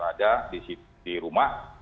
ada di rumah